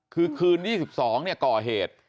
คือคืน๒๒เนี่ยก่อเหตุ